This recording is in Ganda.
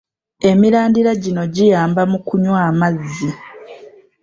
Emirandira gino giyamba mu kunywa amazzi.